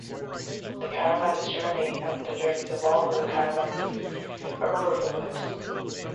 The caravan's journey, and the journeys of all other caravans, are over for good.